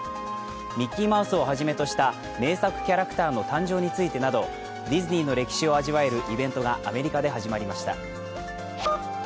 ミッキーマウスをはじめとした名作キャラクターの誕生についてなどディズニーの歴史を味わえるイベントがアメリカで始まりました。